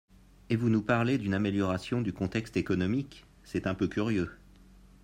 Et vous nous parlez d’une amélioration du contexte économique, c’est un peu curieux